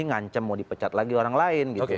ngancam mau dipecat lagi orang lain